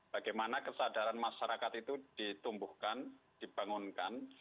bagaimana kesadaran masyarakat itu ditumbuhkan dibangunkan